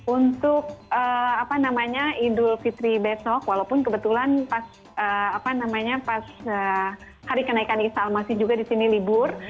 untuk idul fitri besok walaupun kebetulan pas hari kenaikan isal masih juga di sini libur